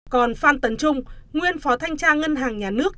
còn phan tấn trung nguyên phó thanh tra ngân hàng nhà nước